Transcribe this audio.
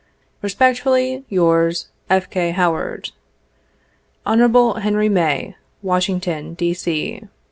Respectfully, yours, "F. K. HOWAKD. "Hon. Henry May, Washington, D. C."